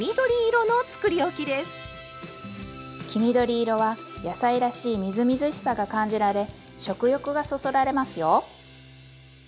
黄緑色は野菜らしいみずみずしさが感じられ食欲がそそられますよ！